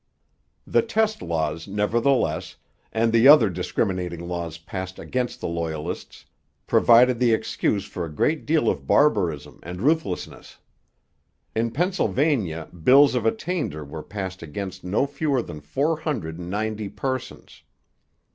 The test laws, nevertheless, and the other discriminating laws passed against the Loyalists provided the excuse for a great deal of barbarism and ruthlessness. In Pennsylvania bills of attainder were passed against no fewer than four hundred and ninety persons.